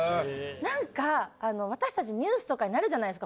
なんか私たちニュースとかになるじゃないですか。